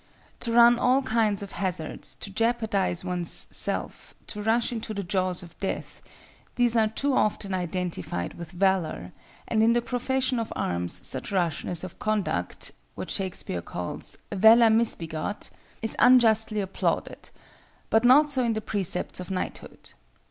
To run all kinds of hazards, to jeopardize one's self, to rush into the jaws of death—these are too often identified with Valor, and in the profession of arms such rashness of conduct—what Shakespeare calls, "valor misbegot"—is unjustly applauded; but not so in the Precepts of Knighthood.